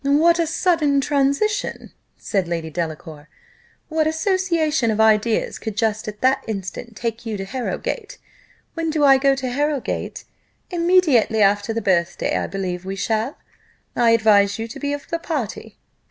"What a sudden transition!" said Lady Delacour. "What association of ideas could just at that instant take you to Harrowgate? When do I go to Harrowgate? Immediately after the birthday, I believe we shall I advise you to be of the party."